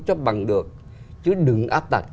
chấp bằng được chứ đừng áp tạch